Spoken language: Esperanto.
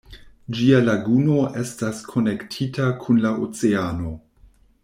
Ĝia laguno estas konektita kun la oceano.